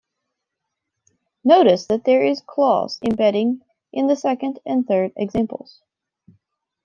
Notice that there is clause embedding in the second and third examples.